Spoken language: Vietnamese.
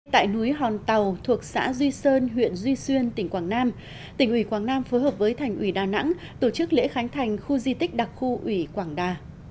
tại núi hòn tàu thuộc xã duy sơn huyện duy xuyên tỉnh quảng nam tỉnh ủy quảng nam phối hợp với thành ủy đà nẵng tổ chức lễ khánh thành khu di tích đặc khu ủy quảng đà